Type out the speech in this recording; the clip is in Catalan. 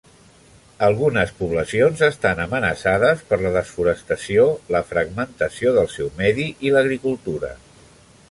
Algunes poblacions estan amenaçades per la desforestació, la fragmentació del seu medi i l'agricultura.